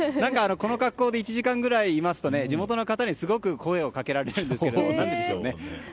この格好で１時間ぐらいいますと地元の方にすごく声をかけられるんですがなぜでしょう。